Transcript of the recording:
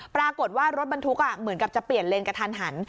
ปรากฏว่ารถบรรทุกเหมือนกับจะเปลี่ยนเลนกระทันหัน